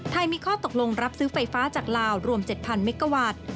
มีข้อตกลงรับซื้อไฟฟ้าจากลาวรวม๗๐๐เมกาวัตต์